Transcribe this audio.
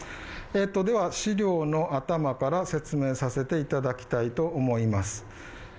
では資料の頭から説明させていただきたいと思います。